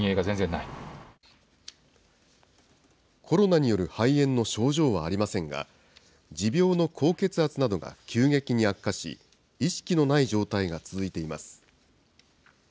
コロナによる肺炎の症状はありませんが、持病の高血圧などが急激に悪化し、意識のない状態が続いています。